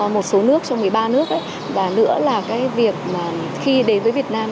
một số nước trong một mươi ba nước và nữa là cái việc mà khi đến với việt nam